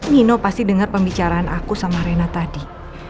nino pasti dengar pembicaraan aku sama rena tadi